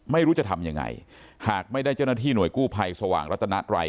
ไม่รู้จะทำยังไงหากไม่ได้เจ้าหน้าที่หน่วยกู้ภัยสว่างรัตนาไร